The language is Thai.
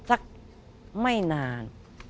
สักไม่นาน